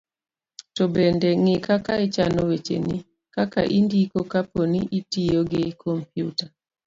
to bende ng'i kaka ichano wecheni, kaka indiko kapo ni itiyo gi kompyuta